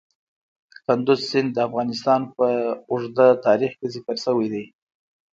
کندز سیند د افغانستان په اوږده تاریخ کې ذکر شوی دی.